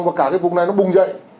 và cả cái vùng này nó bung dậy